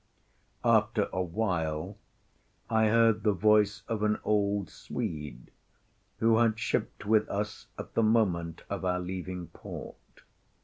After a while, I heard the voice of an old Swede, who had shipped with us at the moment of our leaving port.